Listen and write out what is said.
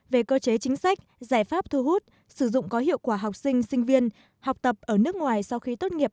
về cơ chế chính sách giải pháp thu hút sử dụng có hiệu quả học sinh sinh viên học tập ở nước ngoài sau khi tốt nghiệp